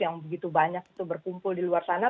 yang begitu banyak itu berkumpul di luar sana